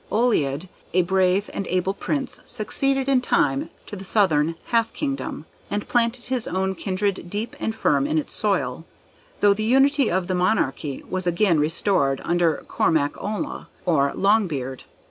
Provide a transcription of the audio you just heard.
Olild, a brave and able Prince, succeeded in time to the southern half kingdom, and planted his own kindred deep and firm in its soil, though the unity of the monarchy was again restored under Cormac Ulla, or Longbeard.